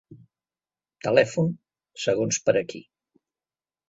Telèfon, segons per a qui.